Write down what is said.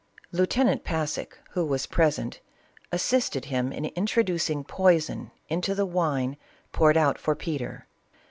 Lieutenant Passek, who was present, assisted him in introducing poison into the wine poured out for Peter.